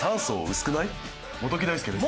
元木大介です。